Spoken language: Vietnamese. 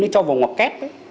khi cho vào ngoặc kép